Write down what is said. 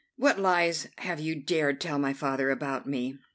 What lies have you dared tell my father about me?"